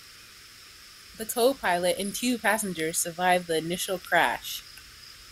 The co-pilot and two passengers survived the initial crash.